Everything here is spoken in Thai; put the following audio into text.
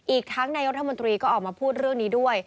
อีกทั้งนายกรัฐมนตรีก็ออกมาพูดเรื่องนี้ด้วย